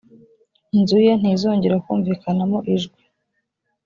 inzu ye ntizongera kumvikanamo ijwi